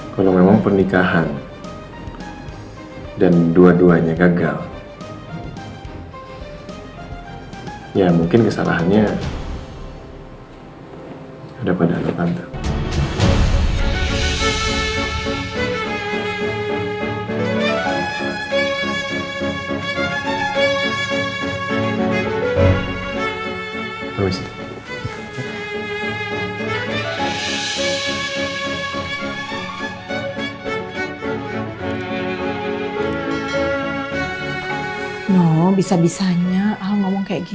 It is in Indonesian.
kalau memang pernikahan dan dua duanya gagal ya mungkin kesalahannya ada pada anak anak